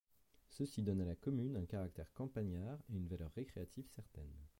Ceci donne à la commune un caractère campagnard et une valeur recreative certaine.